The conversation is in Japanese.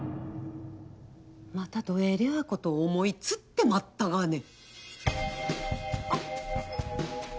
またどえりゃあこと思い付ってまったがね。